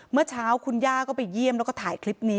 เมื่อเช้าคุณย่าก็ไปเยี่ยมแล้วก็ถ่ายคลิปนี้